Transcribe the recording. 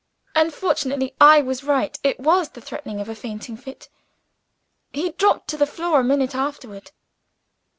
Unfortunately, I was right; it was the threatening of a fainting fit he dropped on the floor a minute afterward."